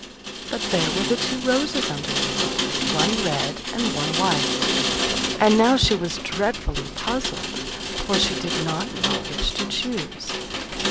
But there were the two roses underneath it, one red and one white. And now she was dreadfully puzzled, for she did not know which to choose.